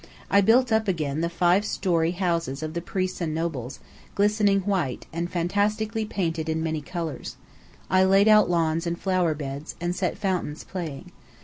I built up again the five story houses of the priests and nobles, glistening white, and fantastically painted in many colours: I laid out lawns and flower beds, and set fountains playing.